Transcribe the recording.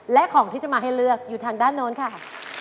และของที่จะมาให้เลือกอยู่ทางด้านโน้นค่ะ